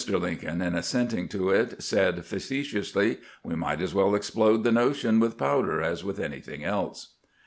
Lincoln, in assenting to it, said face tiously: "We might as weU explode the notion with powder as with anything else."